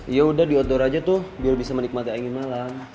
ya udah di outdoor aja tuh biar bisa menikmati angin malam